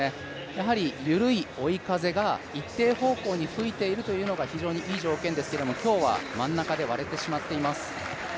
やはり緩い追い風が一定方向に吹いているというのが非常にいい条件ですけれども、今日は真ん中で割れてしまっています。